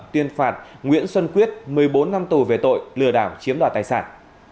tuyên phạt nguyễn xuân quyết một mươi bốn năm tù về tội lừa đảo chiếm đoạt tài sản